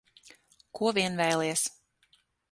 Ko vien vēlies.